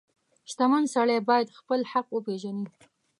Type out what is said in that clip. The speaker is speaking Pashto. • شتمن سړی باید خپل حق وپیژني.